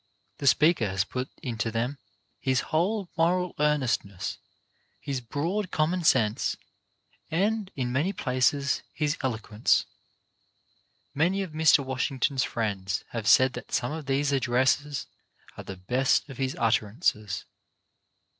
The speaker has put into them his whole moral earnestness, his broad common sense and, in many places, his eloquence. Many of Mr. Washington's friends have said that some of these addresses are the best of his utterances.